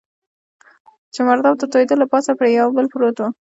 چې مرداب ته توېېدل، له پاسه پرې یو پل پروت و.